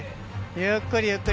ゆっくりゆっくり。